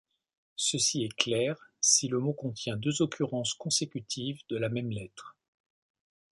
Ceci est clair si le mot contient deux occurrences consécutives de la même lettres.